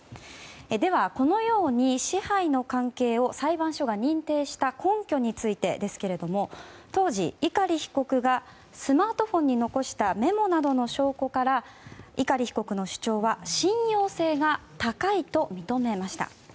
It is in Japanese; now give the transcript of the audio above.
では、このように支配の関係を裁判所が認定した根拠についてですが当時、碇被告がスマートフォンに残したメモなどの証拠から碇被告の主張は信用性が高いと認めました。